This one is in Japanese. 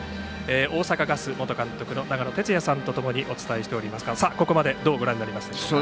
大阪ガス元監督の長野哲也さんと共にお伝えしておりますがここまでどうご覧になりますか。